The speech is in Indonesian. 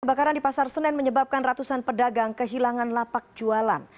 kebakaran di pasar senen menyebabkan ratusan pedagang kehilangan lapak jualan